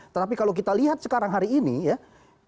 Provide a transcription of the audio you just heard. tetapi kalau kita lihat sekarang hari ini ya